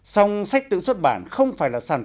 xong sách tự xuất bản không phải là sản phẩm đơn giản